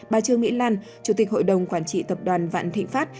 bà trương mỹ lan chủ tịch hội đồng quản trị tập đoàn vạn thịnh pháp